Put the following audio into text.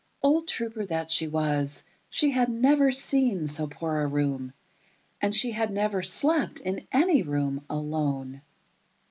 Old trouper that she was, she had never seen so poor a room, and she had never slept, in any room, alone.